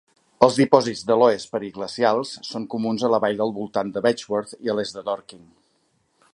Els dipòsits de "loess" periglacials són comuns a la vall al voltant de Betchworth i a l'est de Dorking.